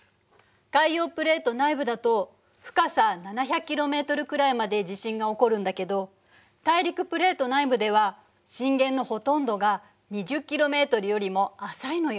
海洋プレート内部だと深さ７００ｋｍくらいまで地震が起こるんだけど大陸プレート内部では震源のほとんどが２０ｋｍよりも浅いのよ。